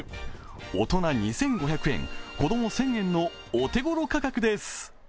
大人２５００円、子ども１０００円のお手ごろ価格です。